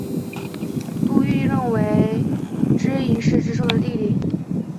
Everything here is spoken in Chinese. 杜预认为知盈是知朔的弟弟。